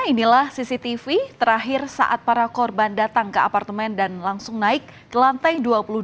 inilah cctv terakhir saat para korban datang ke apartemen dan langsung naik ke lantai dua puluh dua